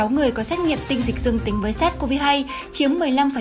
sáu người có xét nghiệm tình dịch dương tính với sars cov hai chiếm một mươi năm